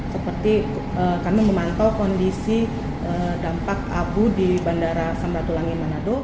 seperti kami memantau kondisi dampak abu di bandara sambatulangi manado